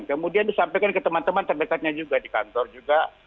kemudian disampaikan ke teman teman terdekatnya juga di kantor juga